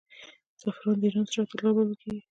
زعفران د ایران سره طلا بلل کیږي.